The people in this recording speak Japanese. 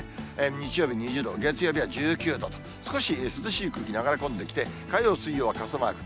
日曜日２０度、月曜日は１９度と、少し涼しい空気流れ込んできて、火曜、水曜は傘マーク。